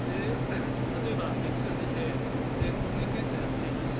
例えば、熱が出て抗原検査をやって陰性